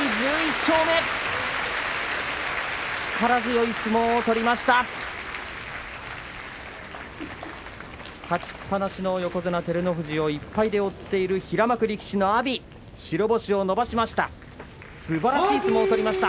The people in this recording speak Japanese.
勝ちっぱなしの横綱照ノ富士を１敗で追っている平幕力士の阿炎白星を伸ばしました。